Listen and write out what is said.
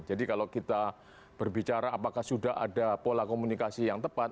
jadi kalau kita berbicara apakah sudah ada pola komunikasi yang tepat